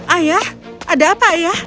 ayah ada apa ayah